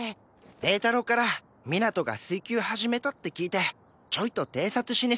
栄太郎からみなとが水球始めたって聞いてちょいと偵察しに。